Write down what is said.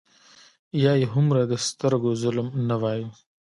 یا یې هومره د سترګو ظلم نه وای.